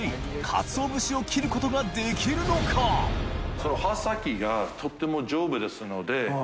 その刃先がとても丈夫ですので。